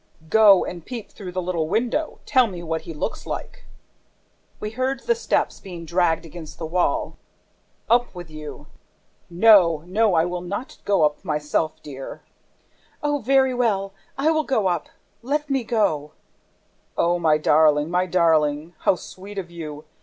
"Go and peep through the little window! Tell me what he looks like!" We heard the steps being dragged against the wall. "Up with you! ... No! ... No, I will go up myself, dear!" "Oh, very well, I will go up. Let me go!" "Oh, my darling, my darling! ... How sweet of you!